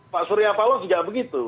pak surya paloh juga begitu